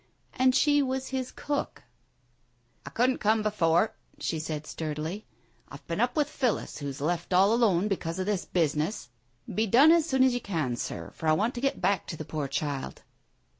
And she was his cook ! "I couldn't come before," she said sturdily. "I've been up with Phillis, who's left all alone because of this business. Be done as soon as you can, Sir, for I want to get back to the poor child."